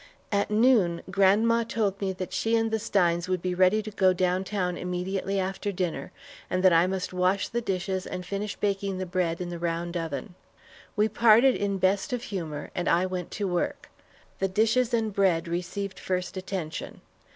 At noon grandma told me that she and the Steins would be ready to go down town immediately after dinner, and that I must wash the dishes and finish baking the bread in the round oven. We parted in best of humor, and I went to work. The dishes and bread received first attention.